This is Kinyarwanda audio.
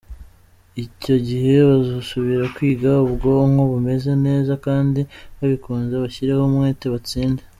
Icyo gihe bazasubira kwiga ubwonko bumeze neza kandi babikunze bashyireho umwete batsinde.